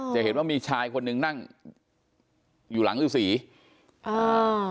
จะเห็นว่ามีชายคนหนึ่งนั่งอยู่หลังฤษีอ่า